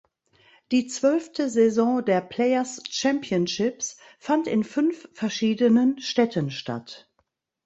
Die zwölfte Saison der Players Championships fand in fünf verschiedenen Städten statt.